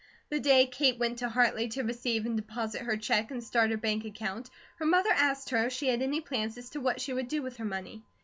The day Kate went to Hartley to receive and deposit her check, and start her bank account, her mother asked her if she had any plan as to what she would do with her money.